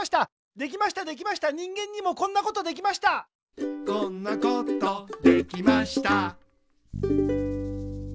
できましたできました人間にもこんなことできました「たこたこピー」